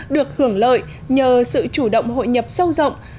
được hưởng lợi nhờ sự chủ động hội nhập sâu rộng